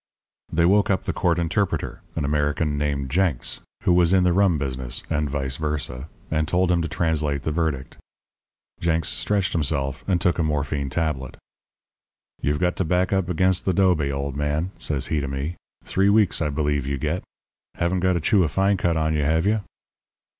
"They woke up the court interpreter, an American named Jenks, who was in the rum business and vice versa, and told him to translate the verdict. "Jenks stretched himself and took a morphine tablet. "'You've got to back up against th' 'dobe, old man,' says he to me. 'Three weeks, I believe, you get. Haven't got a chew of fine cut on you, have you?'